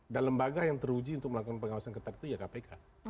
dan lembaga yang teruji untuk melakukan pengawasan ketat itu ya kpk